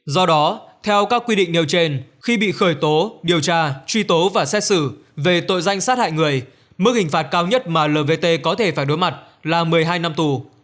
do đó theo các quy định nêu trên khi bị khởi tố điều tra truy tố và xét xử về tội danh sát hại người mức hình phạt cao nhất mà lvt có thể phải đối mặt là một mươi hai năm tù